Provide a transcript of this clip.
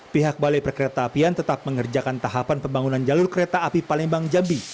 pihak balai perkereta apian tetap mengerjakan tahapan pembangunan jalur kereta api palembang jambi